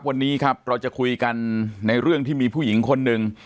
วันนี้ครับเราจะคุยกันในเรื่องที่มีผู้หญิงคนหนึ่ง